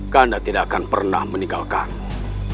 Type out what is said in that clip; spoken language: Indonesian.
karena tidak akan pernah meninggalkanmu